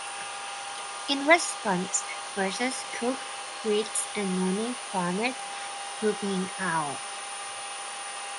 In response, Messrs Cook, Reece and Mooney formed Lupine Howl.